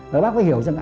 rồi bác mới hiểu rằng